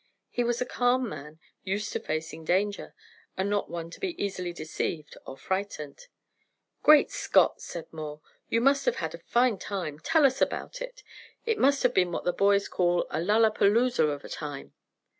He was a calm man, used to facing danger, and not one to be easily deceived or frightened. "Great Scott!" said Moore, "you must have had a fine time. Tell us about it. It must have been what the boys call a 'lalapazooza' of a time."